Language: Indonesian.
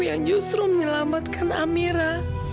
yang justru menyelamatkan amira